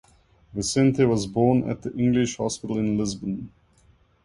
Vicente was born at the English hospital in Lisbon.